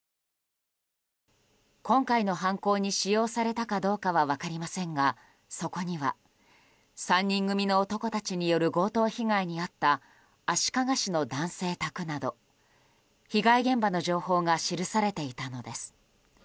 今回の犯行に使用されたかどうかは分かりませんがそこには、３人組の男たちによる強盗被害に遭った足利市の男性宅など被害現場の情報が記されていたのです。